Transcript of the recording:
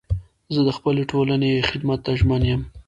زه د خپلي ټولني خدمت ته ژمن یم.